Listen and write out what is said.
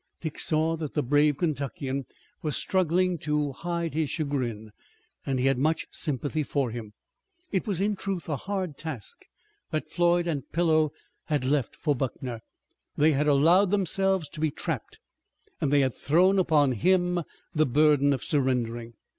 Dick saw that the brave Kentuckian was struggling to hide his chagrin, and he had much sympathy for him. It was in truth a hard task that Floyd and Pillow had left for Buckner. They had allowed themselves to be trapped and they had thrown upon him the burden of surrendering.